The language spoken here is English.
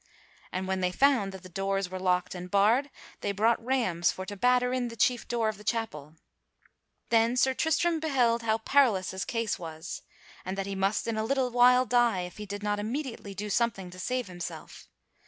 And when they found that the doors were locked and barred, they brought rams for to batter in the chief door of the chapel. Then Sir Tristram beheld how parlous was his case, and that he must in a little while die if he did not immediately do something to save himself.